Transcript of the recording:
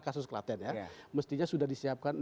kasus klaten ya mestinya sudah disiapkan